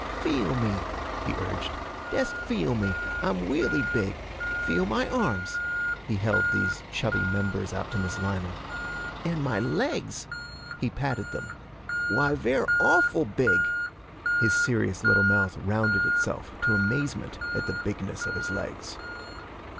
'Feel me,' he urged, 'dest feel me, I'm weally big. Feel my arms,' he held these chubby members out to Miss Lyman. 'An' my legs, ' he patted them, 'why ve're aw ful big!' His serious little mouth rounded itself to amazement at the bigness of his legs.